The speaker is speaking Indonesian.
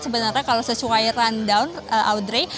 sebenarnya kalau sesuai rundown audrey